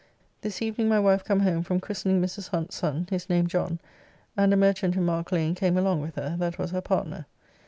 This evening my wife come home from christening Mrs. Hunt's son, his name John, and a merchant in Mark Lane came along with her, that was her partner.